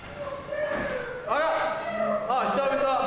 あら久々。